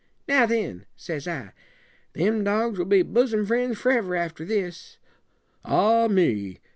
'Now, then,' says I, 'them dogs will be bosom friends forever after this.' 'Ah, me!'